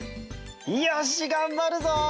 よしがんばるぞ！